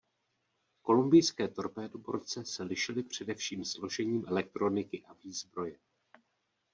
Kolumbijské torpédoborce se lišily především složením elektroniky a výzbroje.